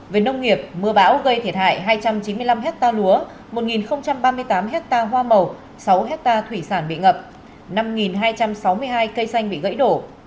về nông nghiệp mưa bão gây thiệt hại hai trăm chín mươi năm hectare lúa một ba mươi tám hectare hoa màu sáu hectare thủy sản bị ngập năm hai trăm sáu mươi hai cây xanh bị gãy đổ